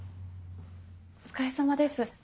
お疲れさまです。